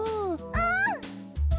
うん！